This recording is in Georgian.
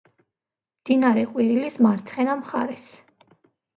მდინარე ყვირილის მარცხენა მხარეს.